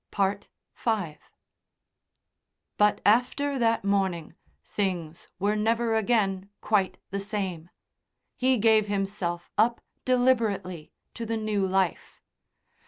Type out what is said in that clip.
V But after that morning things were never again quite the same. He gave himself up deliberately to the new life.